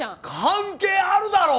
関係あるだろう！